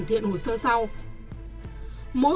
tuy nhiên trong hoạt động cho vay